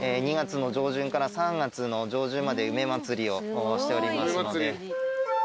２月の上旬から３月の上旬まで梅まつりをしておりますので。